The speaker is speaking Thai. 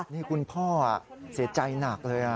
นี่คุณพ่อเสียใจหนักเลย